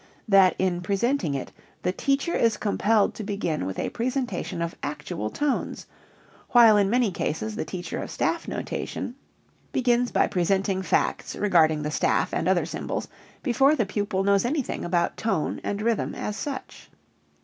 that in presenting it the teacher is compelled to begin with a presentation of actual tones, while in many cases the teacher of staff notation begins by presenting facts regarding the staff and other symbols before the pupil knows anything about tone and rhythm as such.